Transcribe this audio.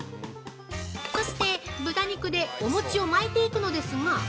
◆そして、豚肉でお餅を巻いていくのですが。